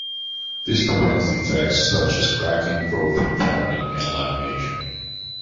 This prevents defects such as cracking, crow feet patterning, and lamination.